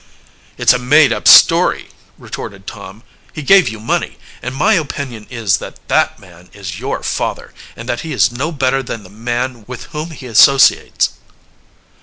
"It's a made up story," retorted Tom. "He gave you money, and my opinion is that that man is your father, and that he is no better than the man with whom he associates."